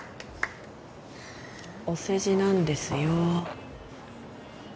お世辞なんですよー。